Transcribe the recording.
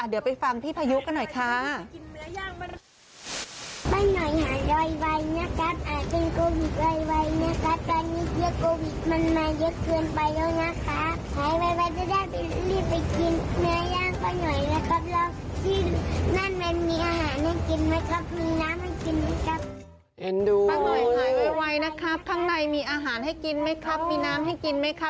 เดี๋ยวไปฟังพี่พายุกันหน่อยค่ะ